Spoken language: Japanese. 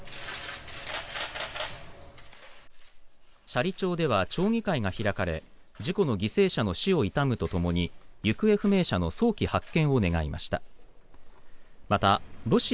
斜里町では町議会が開かれ事故の犠牲者の死を悼むとともに行方不明者の早期発見を願いました。